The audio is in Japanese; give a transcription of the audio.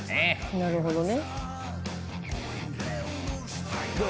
なるほどね。